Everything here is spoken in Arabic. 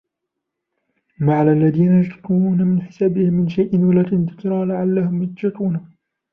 وما على الذين يتقون من حسابهم من شيء ولكن ذكرى لعلهم يتقون